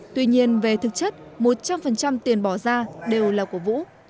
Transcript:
tuy nhiên về thực chất một trăm linh tiền bỏ ra đều là của vũ